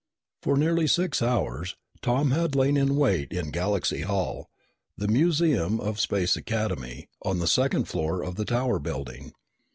For nearly six hours Tom had lain in wait in Galaxy Hall, the museum of Space Academy, on the second floor of the Tower building.